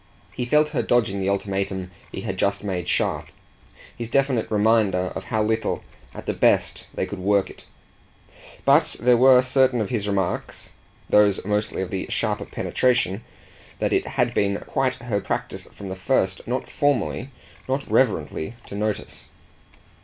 He felt her dodging the ultimatum he had just made sharp, his definite reminder of how little, at the best, they could work it; but there were certain of his remarks those mostly of the sharper penetration that it had been quite her practice from the first not formally, not reverently to notice.